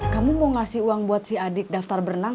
kamu mau ngasih uang buat si adik daftar berenang